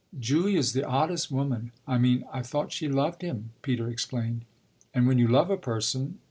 "Julia's the oddest woman. I mean I thought she loved him," Peter explained. "And when you love a person